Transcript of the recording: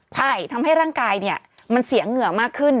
ใช่ทำให้ร่างกายเนี่ยมันเสียเหงื่อมากขึ้น